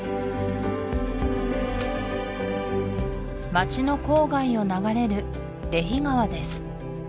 街の郊外を流れるレヒ川です